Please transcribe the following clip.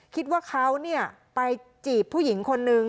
คิดว่าเขาไปจีบผู้หญิงคนนึง